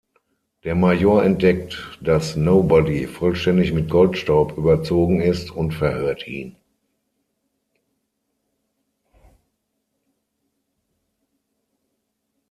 Der Major entdeckt, dass Nobody vollständig mit Goldstaub überzogen ist und verhört ihn.